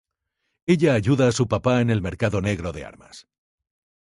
Ella ayuda a su papá en el mercado negro de armas.